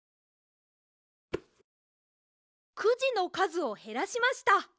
くじのかずをへらしました。